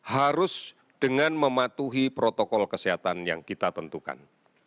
harus dengan mematuhi protokol kesehatan yang kita tentukan